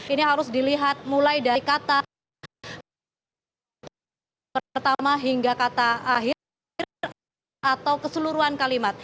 ini harus dilihat mulai dari kata pertama hingga kata akhir atau keseluruhan kalimat